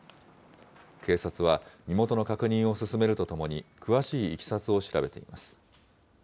警察は、身元の確認を進めるとともに、詳しいいきさつを調べています。